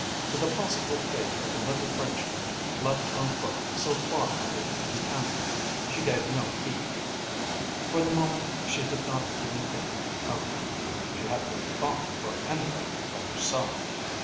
To the possible fate of the little Frenchman left on foot so far from the encampment she gave no heed. For the moment she did not even think of him, she had no thought for anybody but herself.